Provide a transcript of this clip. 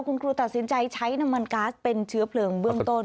คุณครูตัดสินใจใช้น้ำมันก๊าซเป็นเชื้อเพลิงเบื้องต้น